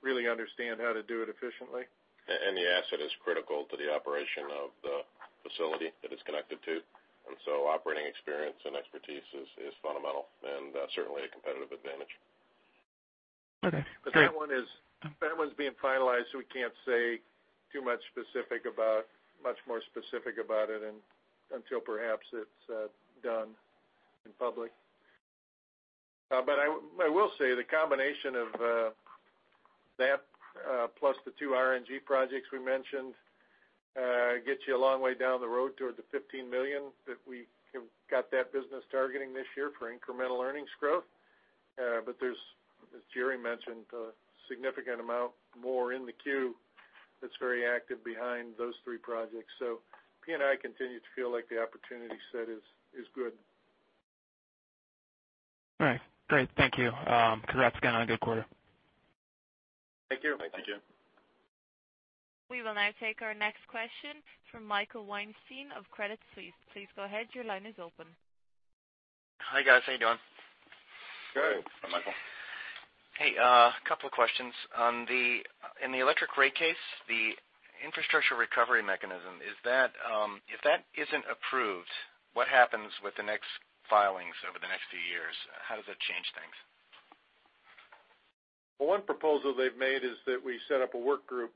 really understand how to do it efficiently. The asset is critical to the operation of the facility that it's connected to. Operating experience and expertise is fundamental and certainly a competitive advantage. Okay, great. That one's being finalized, we can't say too much more specific about it until perhaps it's done in public. I will say the combination of that, plus the two RNG projects we mentioned, gets you a long way down the road toward the $15 million that we got that business targeting this year for incremental earnings growth. There's, as Jerry mentioned, a significant amount more in the queue that's very active behind those three projects. P&I continues to feel like the opportunity set is good. All right, great. Thank you. Congrats again on a good quarter. Thank you. Thank you, Jim. We will now take our next question from Michael Weinstein of Credit Suisse. Please go ahead. Your line is open. Hi, guys. How you doing? Good. Hi, Michael. Hey, couple of questions. In the electric rate case, the infrastructure recovery mechanism, if that isn't approved, what happens with the next filings over the next few years? How does that change things? One proposal they've made is that we set up a work group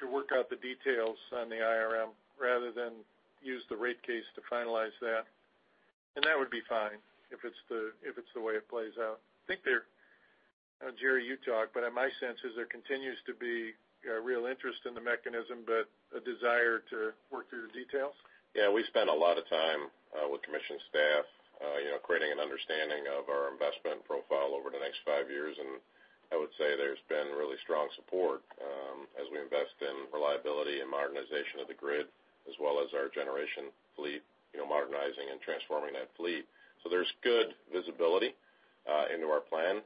to work out the details on the IRM rather than use the rate case to finalize that. That would be fine if it's the way it plays out. I think, Jerry, you talk, but my sense is there continues to be a real interest in the mechanism, but a desire to work through the details. Yeah, we spend a lot of time with commission staff creating an understanding of our investment profile over the next five years. I would say there's been really strong support as we invest in reliability and modernization of the grid, as well as our generation fleet, modernizing and transforming that fleet. There's good visibility into our plan.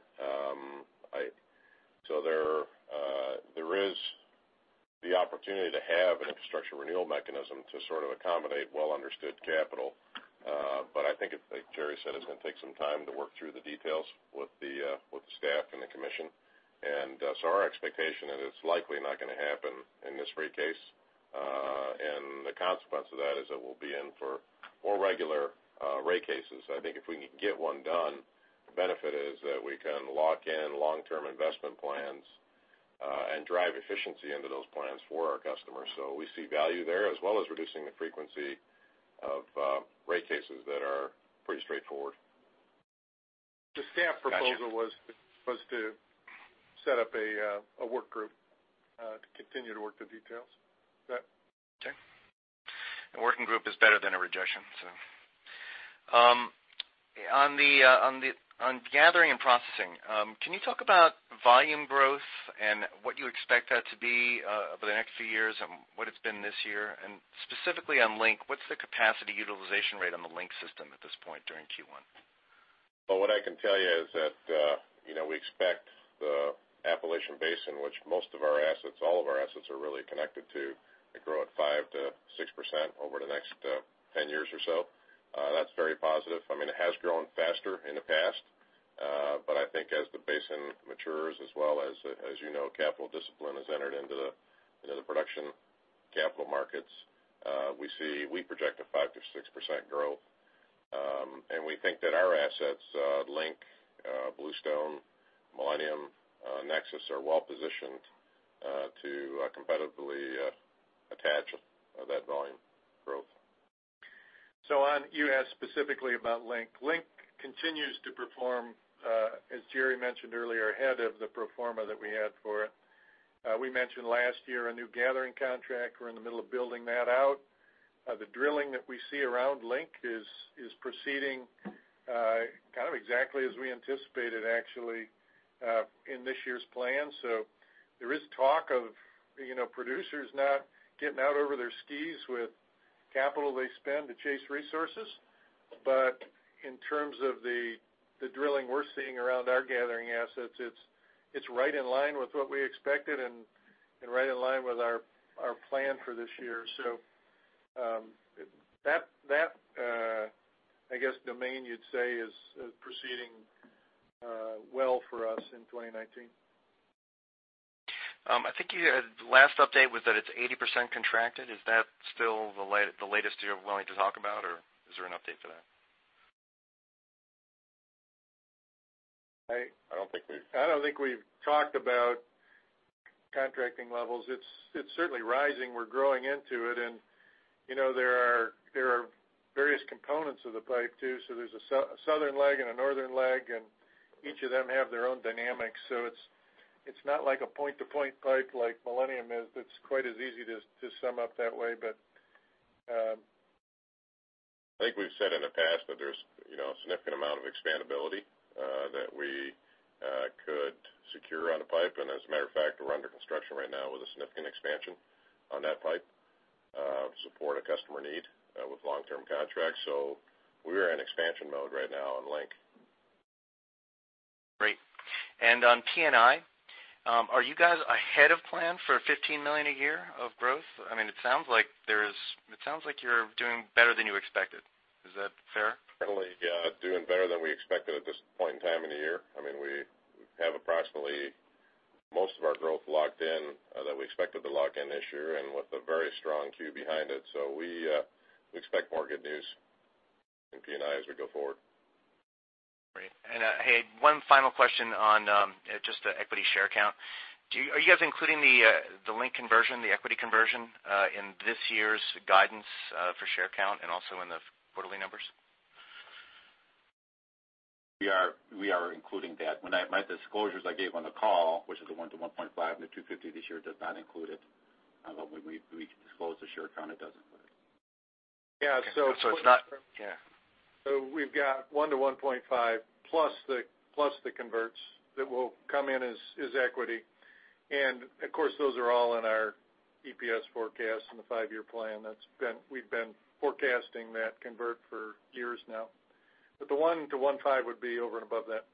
There is the opportunity to have an infrastructure recovery mechanism to sort of accommodate well-understood capital. I think, like Jerry said, it's going to take some time to work through the details with the staff and the commission. Our expectation, and it's likely not going to happen in this rate case. The consequence of that is that we'll be in for more regular rate cases. I think if we can get one done, the benefit is that we can lock in long-term investment plans, and drive efficiency into those plans for our customers. We see value there, as well as reducing the frequency of rate cases that are pretty straightforward. The staff proposal was to set up a work group to continue to work the details. Is that? Okay. A working group is better than a rejection. On gathering and processing, can you talk about volume growth and what you expect that to be over the next few years, and what it's been this year? Specifically on Link, what's the capacity utilization rate on the Link system at this point during Q1? What I can tell you is that we expect the Appalachian Basin, which most of our assets, all of our assets are really connected to grow at 5%-6% over the next 10 years or so. That's very positive. It has grown faster in the past. I think as the basin matures, as well as capital discipline has entered into the production capital markets, we project a 5%-6% growth. We think that our assets, Link, Bluestone, Millennium, NEXUS, are well-positioned to competitively attach that volume growth. You asked specifically about Link. Link continues to perform, as Jerry mentioned earlier, ahead of the pro forma that we had for it. We mentioned last year a new gathering contract. We're in the middle of building that out. The drilling that we see around Link is proceeding kind of exactly as we anticipated, actually, in this year's plan. There is talk of producers not getting out over their skis with capital they spend to chase resources. In terms of the drilling we're seeing around our gathering assets, it's right in line with what we expected and right in line with our plan for this year. That domain, you'd say, is proceeding well for us in 2019. I think the last update was that it's 80% contracted. Is that still the latest you're willing to talk about, or is there an update to that? I don't think we've talked about contracting levels. It's certainly rising. We're growing into it, and there are various components of the pipe, too. There's a southern leg and a northern leg, and each of them have their own dynamics. It's not like a point-to-point pipe like Millennium is that's quite as easy to sum up that way. I think we've said in the past that there's a significant amount of expandability that we could secure on a pipe. As a matter of fact, we're under construction right now with a significant expansion on that pipe to support a customer need with long-term contracts. We are in expansion mode right now on Link. Great. On P&I, are you guys ahead of plan for $15 million a year of growth? It sounds like you're doing better than you expected. Is that fair? Currently, yeah, doing better than we expected at this point in time in the year. We have approximately most of our growth locked in that we expected to lock in this year and with a very strong queue behind it. We expect more good news in P&I as we go forward. Great. One final question on just the equity share count. Are you guys including the Link conversion, the equity conversion, in this year's guidance for share count and also in the quarterly numbers? We are including that. My disclosures I gave on the call, which is the [1 to 1.5 billion to 250 million] this year does not include it. Although we disclose the share count, it doesn't include it. Yeah. it's not Yeah. we've got one to one point five plus the converts that will come in as equity. of course, those are all in our EPS forecast and the five-year plan. We've been forecasting that convert for years now. the one to one five would be over and above that.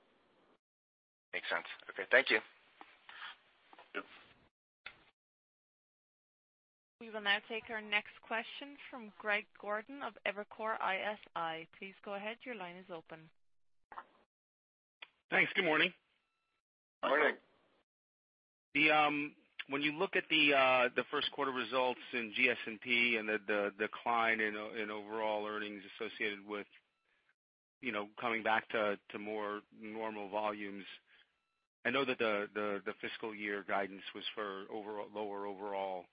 Makes sense. Okay, thank you. Yep. We will now take our next question from Greg Gordon of Evercore ISI. Please go ahead, your line is open. Thanks. Good morning. Morning. Morning. When you look at the first quarter results in GS&P and the decline in overall earnings associated with coming back to more normal volumes, I know that the fiscal year guidance was for lower overall.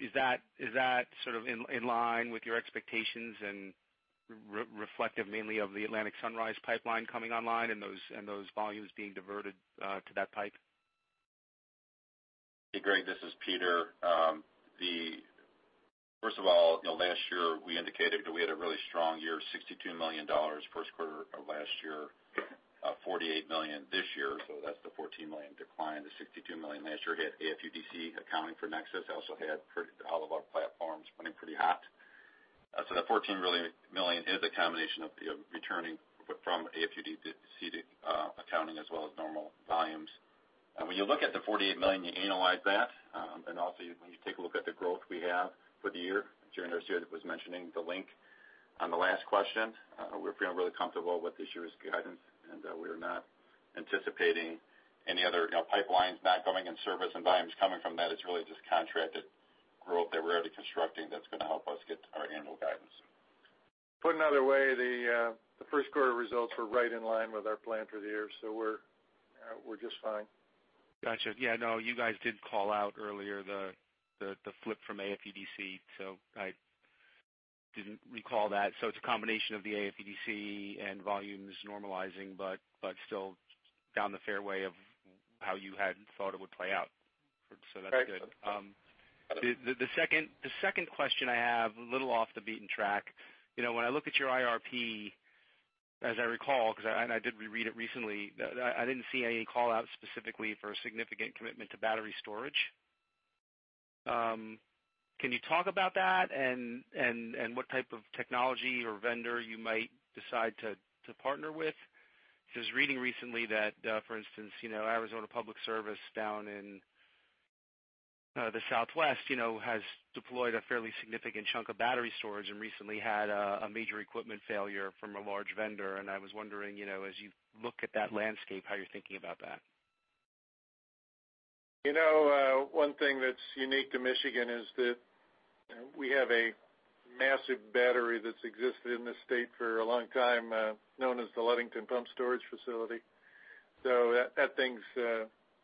Is that sort of in line with your expectations and reflective mainly of the Atlantic Sunrise Pipeline coming online and those volumes being diverted to that pipe? Hey, Greg, this is Peter. First of all, last year we indicated that we had a really strong year, $62 million first quarter of last year, $48 million this year. That's the $14 million decline. The $62 million last year had AFUDC accounting for NEXUS, also had all of our platforms running pretty hot. The $14 million is a combination of the returning from AFUDC accounting as well as normal volumes. When you look at the $48 million, you annualize that, and also when you take a look at the growth we have for the year, Jerry Norcia was mentioning the Link on the last question. We're feeling really comfortable with this year's guidance, we are not anticipating any other pipelines not coming in service and volumes coming from that. It's really just contracted growth that we're already constructing that's going to help us get to our annual guidance. Put another way, the first quarter results were right in line with our plan for the year. We're just fine. Got you. Yeah, no, you guys did call out earlier the flip from AFUDC, so I didn't recall that. It's a combination of the AFUDC and volumes normalizing, but still down the fairway of how you had thought it would play out. That's good. Right. The second question I have, a little off the beaten track. When I look at your IRP, as I recall, because I did reread it recently, I didn't see any call-out specifically for a significant commitment to battery storage. Can you talk about that and what type of technology or vendor you might decide to partner with? Because reading recently that, for instance, Arizona Public Service down in the Southwest has deployed a fairly significant chunk of battery storage and recently had a major equipment failure from a large vendor. I was wondering, as you look at that landscape, how you're thinking about that. One thing that's unique to Michigan is that we have a massive battery that's existed in this state for a long time, known as the Ludington Pumped Storage Plant.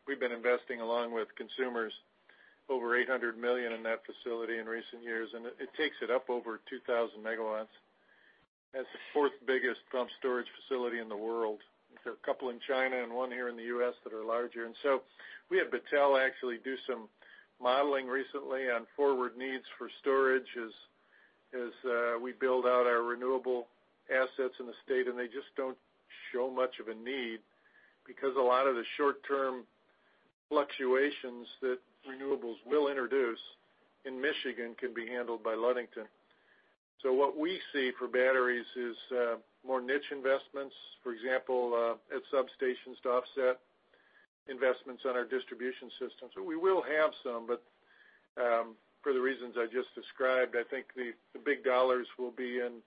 We've been investing along with Consumers Energy over $800 million in that facility in recent years, and it takes it up over 2,000 megawatts. That's the fourth biggest pumped storage facility in the world. There are a couple in China and one here in the U.S. that are larger. We had Battelle actually do some modeling recently on forward needs for storage as we build out our renewable assets in the state. They just don't show much of a need because a lot of the short-term fluctuations that renewables will introduce in Michigan can be handled by Ludington. What we see for batteries is more niche investments. For example, at substations to offset investments on our distribution systems. We will have some, but for the reasons I just described, I think the big dollars will be in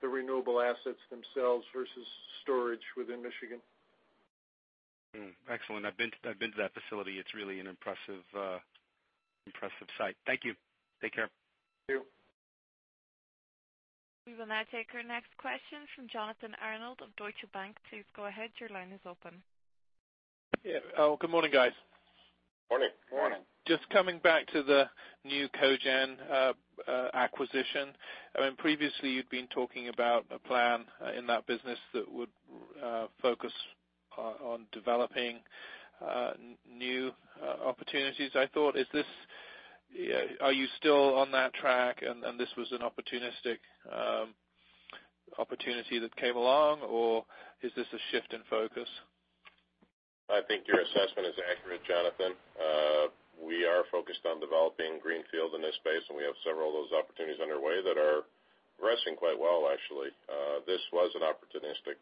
the renewable assets themselves versus storage within Michigan. Excellent. I've been to that facility. It's really an impressive site. Thank you. Take care. Thank you. We will now take our next question from Jonathan Arnold of Deutsche Bank. Please go ahead. Your line is open. Yeah. Good morning, guys. Morning. Morning. Just coming back to the new cogen acquisition. Previously, you'd been talking about a plan in that business that would focus on developing new opportunities. I thought, are you still on that track and this was an opportunistic opportunity that came along, or is this a shift in focus? I think your assessment is accurate, Jonathan. We are focused on developing greenfield in this space, and we have several of those opportunities underway that are progressing quite well, actually. This was an opportunistic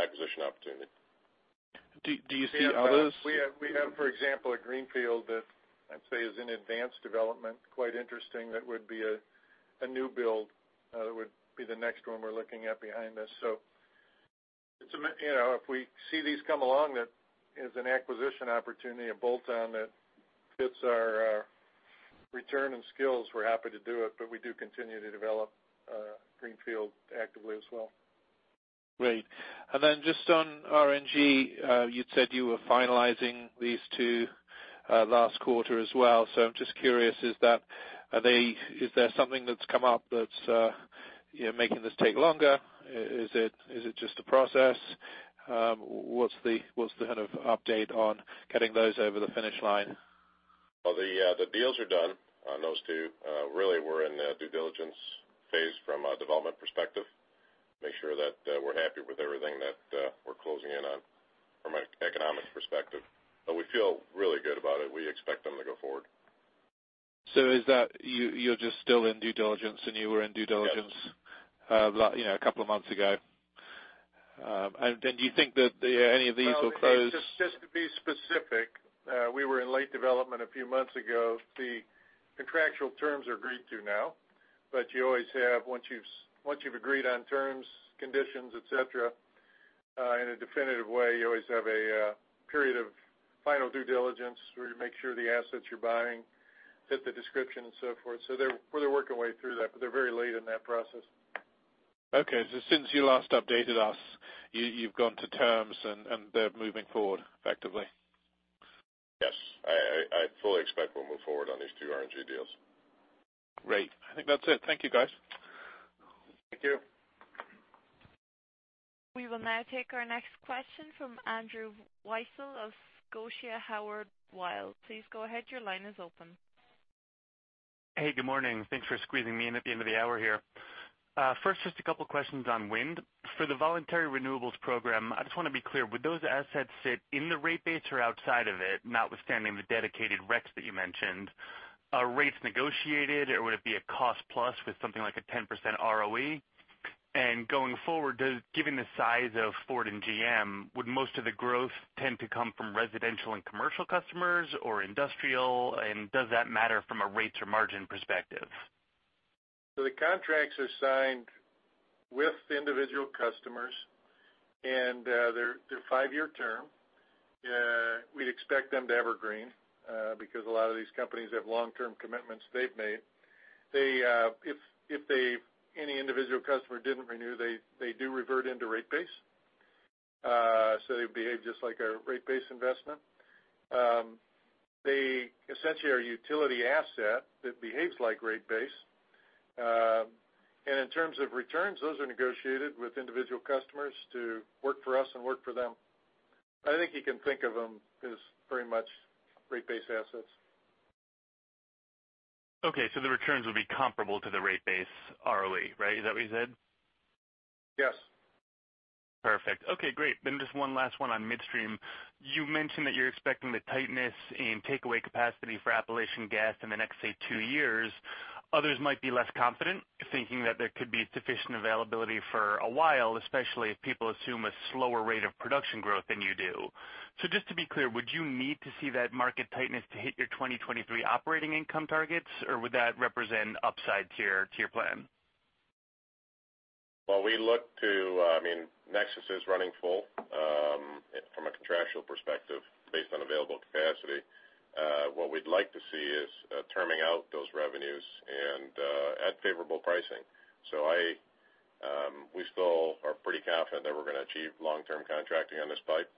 acquisition opportunity. Do you see others? We have, for example, a greenfield that I'd say is in advanced development, quite interesting. That would be a new build. That would be the next one we're looking at behind this. If we see these come along that is an acquisition opportunity, a bolt-on that fits our return and skills, we're happy to do it, but we do continue to develop greenfield actively as well. Great. Just on RNG, you'd said you were finalizing these two last quarter as well. I'm just curious, is there something that's come up You're making this take longer. Is it just a process? What's the update on getting those over the finish line? Well, the deals are done on those two. Really, we're in the due diligence phase from a development perspective to make sure that we're happy with everything that we're closing in on from an economic perspective. We feel really good about it. We expect them to go forward. Is that you're just still in due diligence, and you were in due diligence. Yes a couple of months ago. Do you think that any of these will close? Just to be specific, we were in late development a few months ago. The contractual terms are agreed to now, but you always have, once you've agreed on terms, conditions, et cetera, in a definitive way, you always have a period of final due diligence where you make sure the assets you're buying fit the description and so forth. They're working their way through that, but they're very late in that process. Okay. Since you last updated us, you've gone to terms, and they're moving forward effectively. Yes. I fully expect we'll move forward on these two RNG deals. Great. I think that's it. Thank you, guys. Thank you. We will now take our next question from Andrew Weisel of Scotiabank Howard Weil. Please go ahead. Your line is open. Good morning. Thanks for squeezing me in at the end of the hour here. First, just a couple questions on wind. For the voluntary MIGreenPower program, I just want to be clear, would those assets sit in the rate base or outside of it, notwithstanding the dedicated RECs that you mentioned? Are rates negotiated, or would it be a cost plus with something like a 10% ROE? Going forward, given the size of Ford and GM, would most of the growth tend to come from residential and commercial customers or industrial, and does that matter from a rates or margin perspective? The contracts are signed with individual customers, they're five-year term. We'd expect them to evergreen because a lot of these companies have long-term commitments they've made. If any individual customer didn't renew, they do revert into rate base. They behave just like a rate base investment. They essentially are a utility asset that behaves like rate base. In terms of returns, those are negotiated with individual customers to work for us and work for them. I think you can think of them as very much rate base assets. The returns would be comparable to the rate base ROE, right? Is that what you said? Yes. Perfect. Great. Just one last one on midstream. You mentioned that you're expecting the tightness in takeaway capacity for Appalachian gas in the next, say, two years. Others might be less confident, thinking that there could be sufficient availability for a while, especially if people assume a slower rate of production growth than you do. Just to be clear, would you need to see that market tightness to hit your 2023 operating income targets, or would that represent upside to your plan? Nexus is running full from a contractual perspective based on available capacity. What we'd like to see is terming out those revenues and at favorable pricing. We still are pretty confident that we're going to achieve long-term contracting on this pipe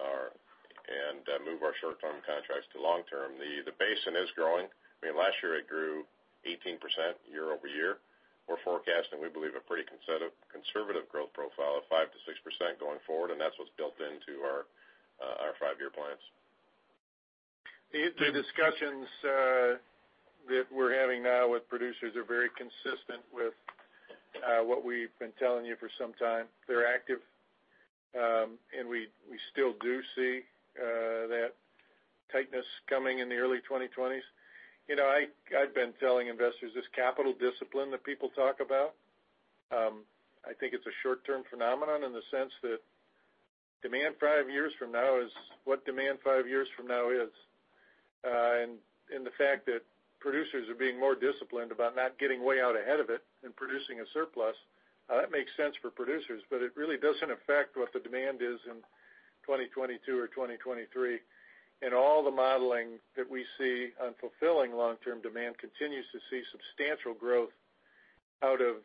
and move our short-term contracts to long-term. The basin is growing. Last year it grew 18% year-over-year. We're forecasting, we believe, a pretty conservative growth profile of 5%-6% going forward, and that's what's built into our five-year plans. The discussions that we're having now with producers are very consistent with what we've been telling you for some time. They're active, and we still do see that tightness coming in the early 2020s. I've been telling investors this capital discipline that people talk about, I think it's a short-term phenomenon in the sense that demand five years from now is what demand five years from now is. The fact that producers are being more disciplined about not getting way out ahead of it and producing a surplus, that makes sense for producers, but it really doesn't affect what the demand is in 2022 or 2023. All the modeling that we see on fulfilling long-term demand continues to see substantial growth out of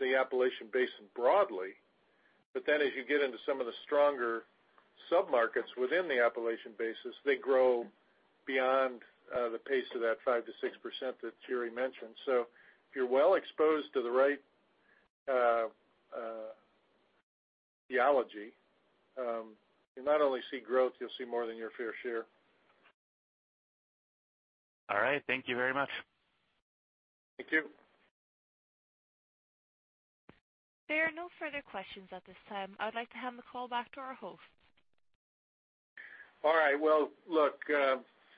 the Appalachian Basin broadly. As you get into some of the stronger sub-markets within the Appalachian Basin, they grow beyond the pace of that 5%-6% that Jerry mentioned. If you're well exposed to the right geology, you'll not only see growth, you'll see more than your fair share. All right. Thank you very much. Thank you. There are no further questions at this time. I'd like to hand the call back to our host. All right. Well, look,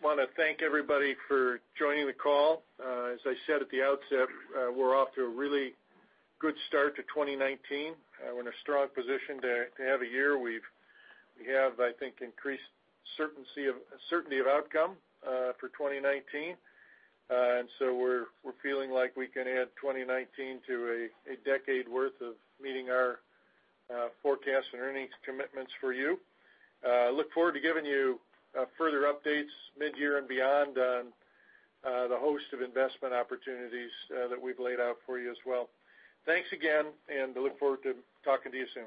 I want to thank everybody for joining the call. As I said at the outset, we're off to a really good start to 2019. We're in a strong position to have a year. We have, I think, increased certainty of outcome for 2019. We're feeling like we can add 2019 to a decade worth of meeting our forecast and earnings commitments for you. Look forward to giving you further updates mid-year and beyond on the host of investment opportunities that we've laid out for you as well. Thanks again, and I look forward to talking to you soon.